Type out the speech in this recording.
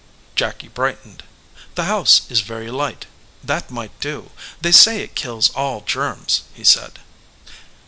Jacky brightened. "The house is very tight. That might do. They say it kills all germs," he said.